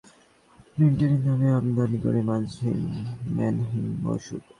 কিছু প্রতিষ্ঠান বিদেশ থেকে ফুড সাপ্লিমেন্টারির নামে আমদানি করে মানহীন ওষুধ।